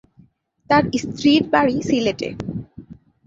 তার স্ত্রীর বাড়ি সিলেটে।